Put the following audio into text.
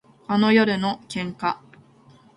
あの夜の喧嘩